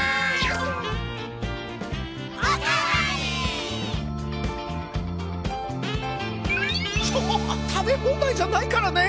トホホ食べ放題じゃないからね！